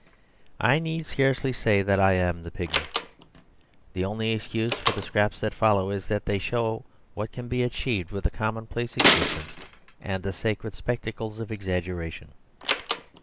I need scarcely say that I am the pigmy. The only excuse for the scraps that follow is that they show what can be achieved with a commonplace existence and the sacred spectacles of exaggeration.